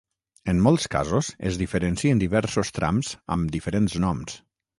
En molts casos es diferencien diversos trams amb diferents noms.